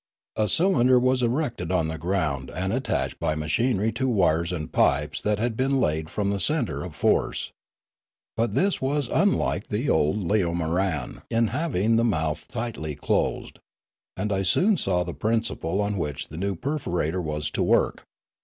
A cylinder was erected on the ground and attached by machinery to wires and pipes that had been laid from the centre of force. But this was unlike the old leomoran in having the mouth tightly closed, and I soon saw the principle on which the new perforator was to work.